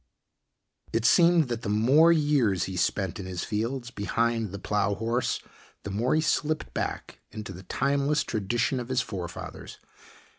It seemed that the more years he spent in his fields behind the plow horse, the more he slipped back into the timeless tradition of his forefathers.